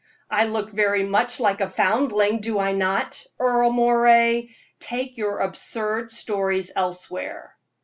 "I look very much like a foundling, do I not? Earle Moray, take your absurd stories elsewhere."